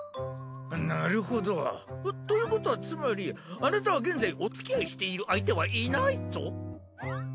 なるほどということはつまりあなたは現在おつきあいしている相手はいないと？